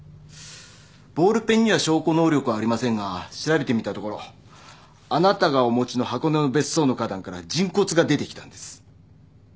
ボールペンには証拠能力はありませんが調べてみたところあなたがお持ちの箱根の別荘の花壇から人骨が出てきたんです。